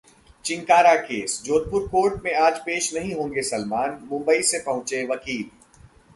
chinkara case: Jodhpur court में आज पेश नहीं होंगे सलमान, मुंबई से पहुंचे वकील